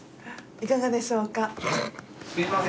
いかがでしょうか？